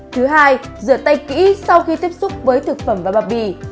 thứ hai rửa tay kỹ sau khi tiếp xúc với thực phẩm và bao bì